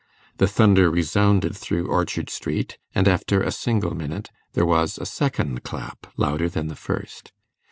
The thunder resounded through Orchard Street, and, after a single minute, there was a second clap louder than the first.